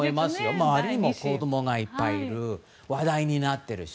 周りにも子供がいっぱいいる話題にもなっているし。